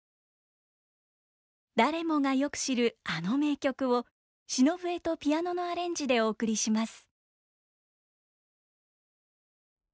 誰もがよく知るあの名曲を篠笛とピアノのアレンジでお送りします。